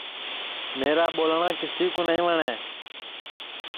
میرا ٻولٹؔا کِسی کُو نائی وٹؔے